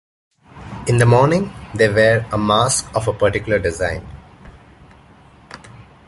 In the morning, they wear a mask of a particular design.